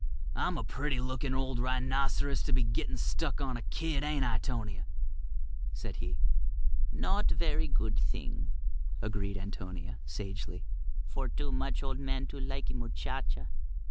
"I'm a pretty looking old rhinoceros to be gettin' stuck on a kid, ain't I, 'Tonia?" said he. "Not verree good thing," agreed Antonia, sagely, "for too much old man to likee muchacha."